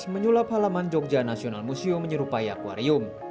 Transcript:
menyulap halaman jogja nasional museum menyerupai akwarium